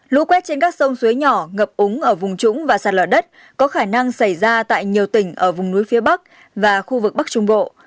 lũ quét trên các sông suối nhỏ ngập úng ở vùng trũng và sạt lở đất có khả năng xảy ra tại nhiều tỉnh ở vùng núi phía bắc và khu vực bắc trung bộ